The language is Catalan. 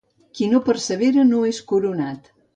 Qui no persevera no és coronat.